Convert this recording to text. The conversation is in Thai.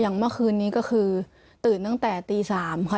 เมื่อคืนนี้ก็คือตื่นตั้งแต่ตี๓ค่ะ